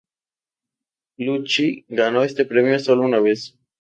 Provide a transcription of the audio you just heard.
Lucci ganó este premio sólo una vez.